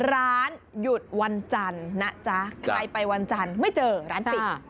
ร้านหยุดวันจันทร์นะจ๊ะใครไปวันจันทร์ไม่เจอร้านปิด